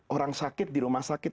orang sakit di rumah sakit